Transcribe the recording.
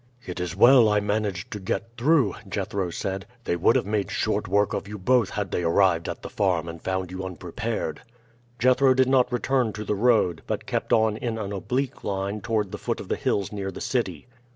"It is well I managed to get through," Jethro said. "They would have made short work of you both had they arrived at the farm and found you unprepared." Jethro did not return to the road, but kept on in an oblique line toward the foot of the hills near the city.